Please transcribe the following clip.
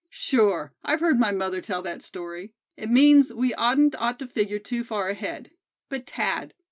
"Sure, I've heard my mother tell that story. It means we hadn't ought to figure too far ahead. But Thad.